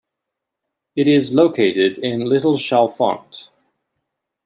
It is located in Little Chalfont.